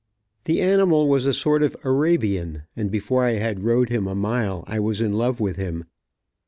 The animal was a sort of Arabian, and before I had rode him a mile I was in love with him.